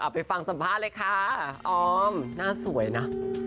ไปฟังสัมภาษณ์เลยค่ะออมหน้าสวยนะ